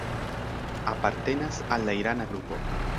Apartenas al la irana grupo.